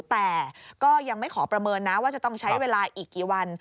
แต่ก็ยังไม่ขอประเมินนะว่าจะต้องใช้เวลาอีกกี่วัน